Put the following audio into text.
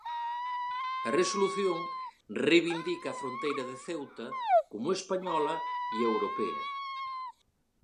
A resolución reivindica a fronteira de Ceuta como española e europea.